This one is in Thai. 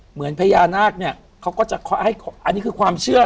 เหมือนพญานาคเนี่ยเขาก็จะให้อันนี้คือความเชื่อ